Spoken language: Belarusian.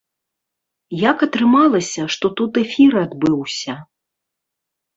Як атрымалася, што тут эфір адбыўся?